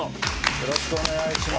よろしくお願いします。